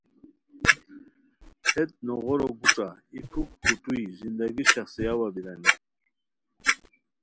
ہیت نوغورو گوݯہ ای پھوک کوٹوئی زندگی شاخڅئیاوا بیرانی